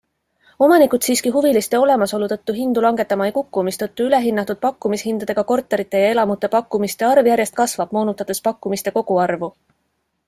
Omanikud siiski huviliste olemasolu tõttu hindu langetama ei kuku, mistõttu ülehinnatud pakkumishindadega korterite ja elamute pakkumiste arv järjest kasvab, moonutades pakkumiste koguarvu.